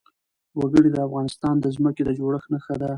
وګړي د افغانستان د ځمکې د جوړښت نښه ده.